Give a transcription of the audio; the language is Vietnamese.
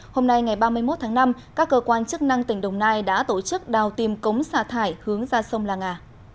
hôm nay ngày ba mươi một tháng năm các cơ quan chức năng tỉnh đồng nai đã tổ chức đào tìm cống xả thải hướng ra sông la nga